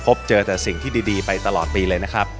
พบเจอแต่สิ่งที่ดีไปตลอดปีเลยนะครับ